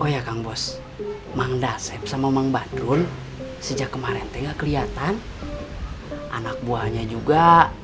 oh ya kang bos mang dasyep sama mang badrul sejak kemarin teh gak kelihatan anak buahnya juga